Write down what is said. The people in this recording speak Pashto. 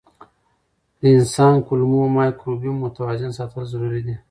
د انسان کولمو مایکروبیوم متوازن ساتل ضروري دي.